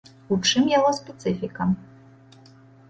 У чым яго спецыфіка?